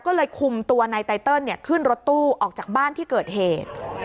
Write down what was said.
ก็เลยคุมตัวนายไตเติลขึ้นรถตู้ออกจากบ้านที่เกิดเหตุ